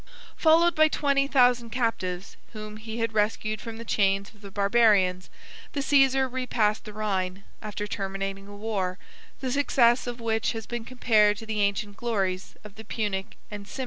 Followed by twenty thousand captives, whom he had rescued from the chains of the Barbarians, the Cæsar repassed the Rhine, after terminating a war, the success of which has been compared to the ancient glories of the Punic and Cimbric victories.